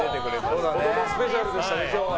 スペシャルでしたね今日は。